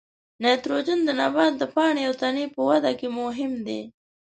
نایتروجن د نبات د پاڼې او تنې په وده کې مهم دی.